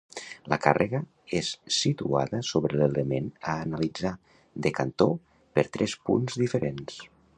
La càrrega és situada sobre l'element a analitzar, de cantó, per tres punts diferents.